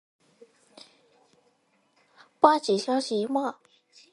对于糖尿病早期肾损伤及其他肾脏疾病均具有较重要的临床意义。